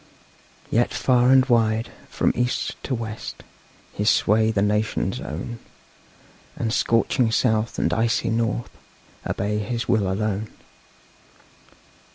Yet far and wide, from East to West, His sway the nations own; And scorching South and icy North Obey his will alone.